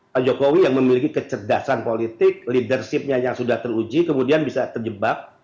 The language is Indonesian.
pak jokowi yang memiliki kecerdasan politik leadershipnya yang sudah teruji kemudian bisa terjebak